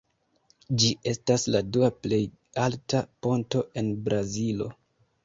Ĝi estas la dua plej alta ponto en Brazilo.